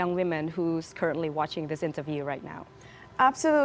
untuk wanita muda yang sedang menonton interviu ini sekarang